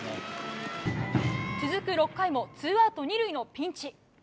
続く６回もツーアウト２塁のピンチ。